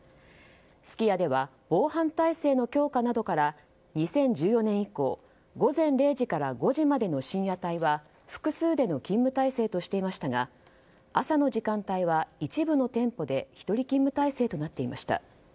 すき家では防犯体制の強化などから２０１４年以降午前０時から５時までの深夜帯は複数での勤務体制としていましたが朝の時間帯は一部の店舗で１人勤務体制となっていました。